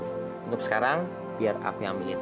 untuk sekarang biar aku yang ambilin